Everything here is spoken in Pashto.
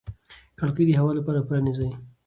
کړکۍ د هوا لپاره پرانیزئ.